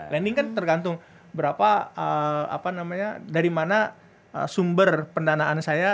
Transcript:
lending kan tergantung dari mana sumber pendanaan saya